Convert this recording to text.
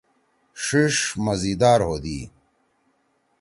ݜیِݜ مزیدار ہودی۔